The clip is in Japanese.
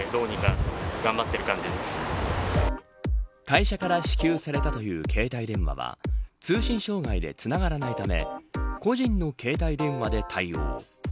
会社から支給されたという携帯電話は通信障害でつながらないため個人の携帯電話で対応。